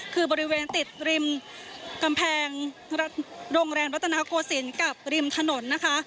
คือบริเวณติดริมกำแพงโรงแรมรัฐนาโกศิลป์กับริมถนนนะคะ